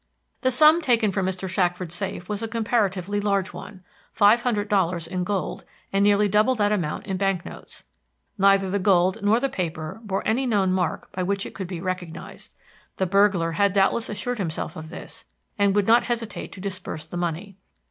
The sum taken from Mr. Shackford's safe was a comparatively large one, five hundred dollars in gold and nearly double that amount in bank notes. Neither the gold nor the paper bore any known mark by which it could be recognized; the burglar had doubtless assured himself of this, and would not hesitate to disburse the money.